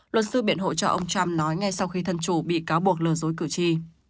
luật sư biện hộ cho ông trump nói ngay sau khi thân chủ bị cáo buộc lừa dối cử tri